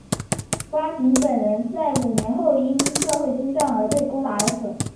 八剌本人在位五年后因受金帐汗攻打而死。